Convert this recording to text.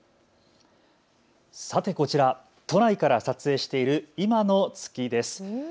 さてこちら、都内から撮影している今の月です。